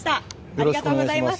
ありがとうございます。